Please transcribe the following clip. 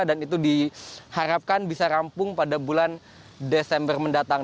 dan itu diharapkan bisa rampung pada bulan desember mendatang